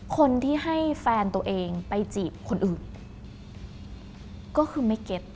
คนที่ให้แฟนตัวเองไปจีบคนอื่นก็คือไม่เก็ต